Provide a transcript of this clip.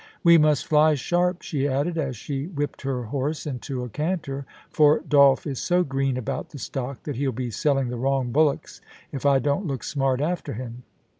' We must fly sharp,' she added, as she whipped her horse into a canter, * for Dolph is so green about the stock that he'll be selling the wrong bullocks if I don't look smart after him.'